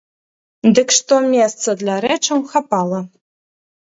Дык што месца для рэчаў хапала.